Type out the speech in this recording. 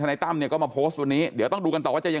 ในตั้มเนี่ยก็มาโพสต์วันนี้เดี๋ยวต้องดูกันต่อว่าจะยัง